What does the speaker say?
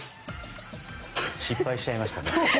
失敗しちゃいましたね。